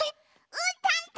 うーたんと！